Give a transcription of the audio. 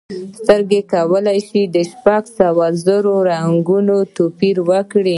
سترګې کولی شي شپږ سوه زره رنګونه توپیر کړي.